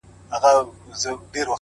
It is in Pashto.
سترگي دي ژوند نه اخلي مرگ اخلي اوس.